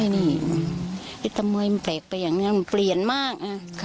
นี่ไอ้ตะมวยมันแปลกไปอย่างนี้มันเปลี่ยนมาก